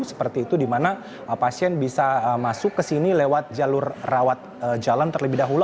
seperti itu di mana pasien bisa masuk ke sini lewat jalur rawat jalan terlebih dahulu